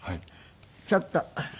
ちょっと。